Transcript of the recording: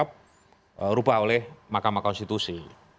berubah oleh mahkamah konstitusi